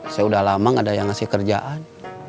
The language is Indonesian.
saya sudah lama tidak ada yang memberikan kerjaan